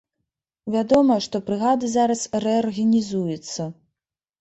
Вядома, што брыгада зараз рэарганізуецца.